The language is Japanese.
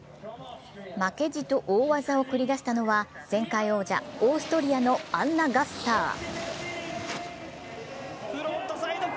負けじと大技を繰り出したのは前回王者、オーストリアのアンナ・ガッサー。